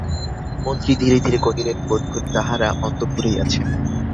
মন্ত্রী ধীরে ধীরে কহিলেন, বোধ করি তাঁহারা অন্তঃপুরেই আছেন।